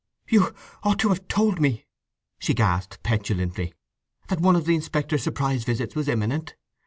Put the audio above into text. "You ought to have told me," she gasped petulantly, "that one of the inspector's surprise visits was imminent!